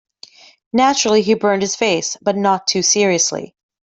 Naturally he burned his face, but not too seriously.